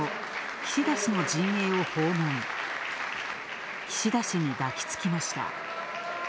岸田氏に抱きつきました。